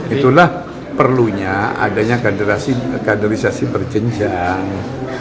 itulah perlunya adanya kaderisasi berjenjang